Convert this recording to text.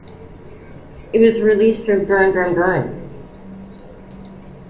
It was released through Burn Burn Burn.